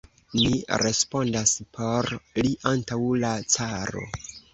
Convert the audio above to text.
Ni respondas por li antaŭ la caro.